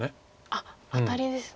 あっアタリですね。